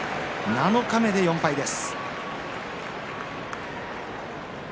七日目で４敗です。